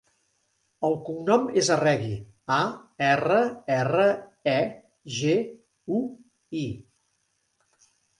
El cognom és Arregui: a, erra, erra, e, ge, u, i.